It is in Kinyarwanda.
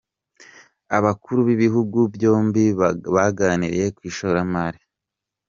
Abakuru b’ibihugu byombi baganiriye ku ishoramari.